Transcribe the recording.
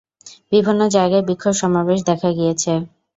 বিভিন্ন জায়গায় বিক্ষোভ সমাবেশ দেখা গিয়েছে।